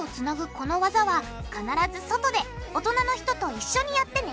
このワザは必ず外で大人の人と一緒にやってね